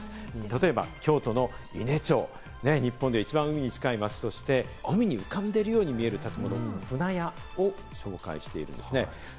例えば京都の伊根町、日本で一番海に近い町として海に浮かんでいるように見える舟屋を紹介しています。